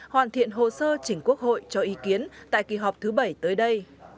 hoàn thiện hồ sơ chỉnh quốc hội cho ý kiến tại kỳ họp thứ bảy tới đây